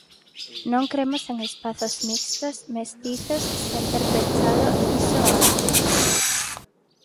Non cremos en espazos mixtos, mestizos, sen ter pechado iso antes.